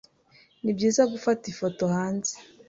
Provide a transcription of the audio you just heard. Nibyiza gufata ifoto hanze.